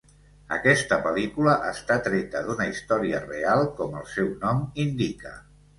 Aquesta pel·lícula està treta d'una història real com el seu nom indica.